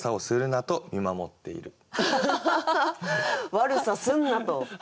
「悪さすんな」と。